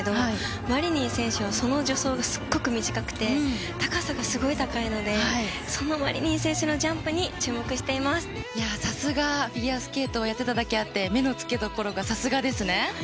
マリニン選手はその助走がすごく短くて高さがすごい高いのでマリニン選手のジャンプにさすがフィギュアスケートをやっていただけあって目の付け所がさすがです。